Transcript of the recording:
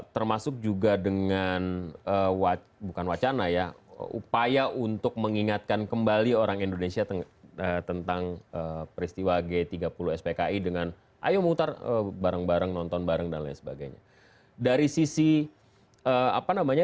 termasuk juga dengan upaya untuk mengingatkan kembali orang indonesia tentang peristiwa g tiga puluh spki dengan ayo muter bareng bareng nonton bareng dan lain sebagainya